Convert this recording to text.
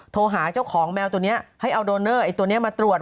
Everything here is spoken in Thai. โทรหาเจ้าของแมวตัวนี้ให้เอาโดเนอร์ไอ้ตัวนี้มาตรวจ